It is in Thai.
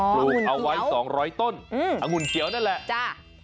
ปลูกเอาไว้๒๐๐ต้นองุ่นเขียวนั่นแหละจ้า